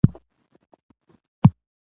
بس مسلم صاحب